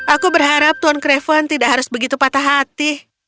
aku berharap tuan craven tidak harus begitu patah hati